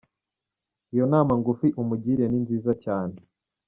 iyo nama ngufi umugiriye ni nziza cyane!.